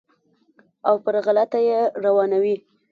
او پر غلطه یې روانوي.